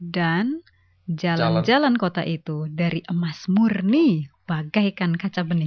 dan jalan jalan kota itu dari emas murni bagaikan kaca bening